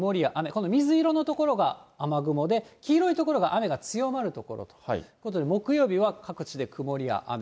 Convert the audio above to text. この水色の所が雨雲で、黄色い所が雨が強まる所、ということで木曜日は各地で曇りや雨。